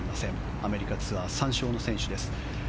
アメリカツアー３勝の選手です。